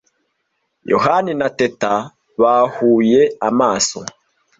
Yohani na Teta bahuye amaso.